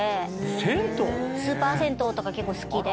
スーパー銭湯とか結構好きで。